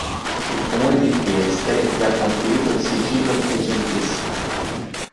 Il Comune di Trieste gli ha conferito il Sigillo trecentesco.